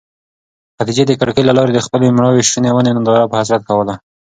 خدیجې د کړکۍ له لارې د خپلې مړاوې شوې ونې ننداره په حسرت کوله.